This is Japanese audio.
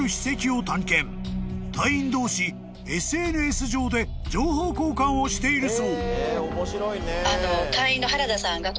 ［隊員同士ＳＮＳ上で情報交換をしているそう］